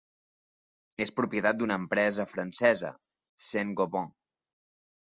És propietat d'una empresa francesa, Saint-Gobain.